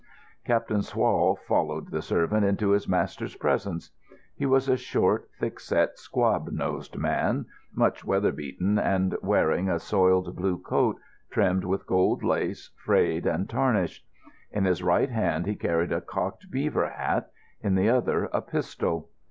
Captain Swall followed the servant into his master's presence. He was a short, thickset, squab nosed man, much weather beaten, and wearing a soiled blue coat trimmed with gold lace frayed and tarnished. In his right hand he carried a cocked beaver hat, in the other a pistol.